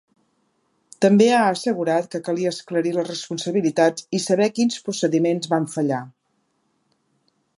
També ha assegurat que calia esclarir les responsabilitats i saber quins procediments van fallar.